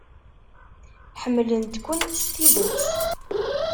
Ḥemmlent-kent s tidet.